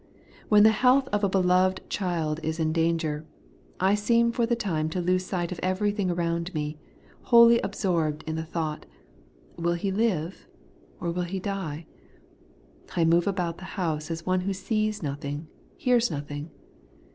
When the health of a beloved child is in danger, I seem for the time to lose sight of everything around me, wholly absorbed in the thought. Will he live, or will he die ? I move about the house as one who sees nothing, hears nothing.